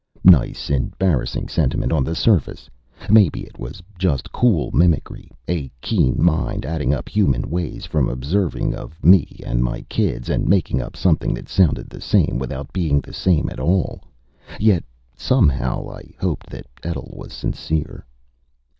Nice, embarrassing sentiment, on the surface. Maybe it was just cool mimicry a keen mind adding up human ways from observation of me and my kids, and making up something that sounded the same, without being the same at all. Yet somehow I hoped that Etl was sincere.